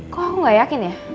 kok aku gak yakin ya